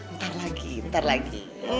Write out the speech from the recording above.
ntar lagi ntar lagi